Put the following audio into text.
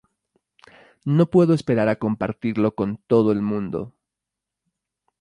No puedo esperar a compartirlo con todo el mundo!